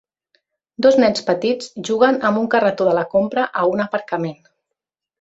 Dos nens petits juguen amb un carretó de la compra a un aparcament.